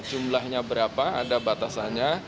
jumlahnya berapa ada batasannya